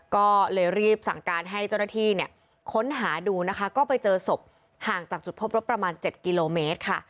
ก็เลยรีบสั่งการให้เจ้าหน้าที่เนี่ยค้นหาดูนะคะก็ไปเจอศพห่างจากจุดพบรถประมาณ๗กิโลเมตรค่ะ